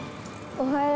おはよう！